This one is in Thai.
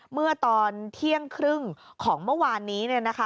เมื่อตอนเที่ยงครึ่งของเมื่อวานนี้